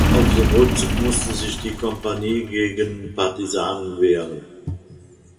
Auf dem Rückzug musste sich die Kompanie gegen Partisanen wehren.